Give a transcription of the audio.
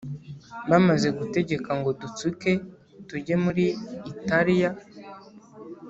Bamaze gutegeka ngo dutsuke tujye muri Italiya